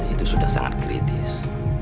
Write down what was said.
itu sudah sangat kritis